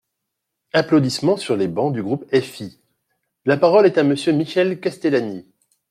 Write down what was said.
(Applaudissements sur les bancs du groupe FI.) La parole est à Monsieur Michel Castellani.